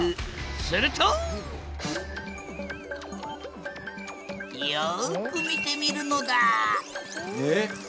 するとよく見てみるのだえ？